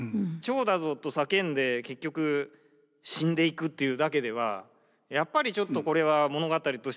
「蝶だぞ！」と叫んで結局死んでいくっていうだけではやっぱりちょっとこれは物語として終わらない。